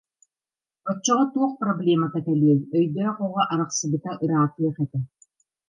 Оччоҕо туох проблемата кэлиэй, өйдөөх оҕо арахсыбыта ыраатыах этэ